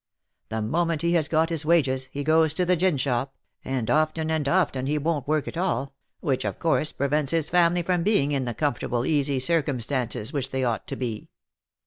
The moment he has got his wages, he goes to K 130 THE LIFE AND ADVENTURES the gin shop, and often and often he won't work at all, which of course prevents his family from being in the comfortable easy cir cumstances which they ought to be.